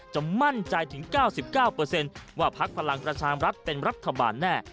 จะมั่นใจถึง๙๙ว่าพักพลังประชามรัฐเป็นรัฐบาลแน่